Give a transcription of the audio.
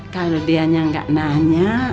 kalau dianya gak nanya